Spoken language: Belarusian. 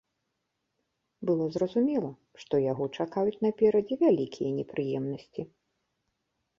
Было зразумела, што яго чакаюць наперадзе вялікія непрыемнасці.